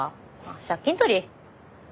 借金取り？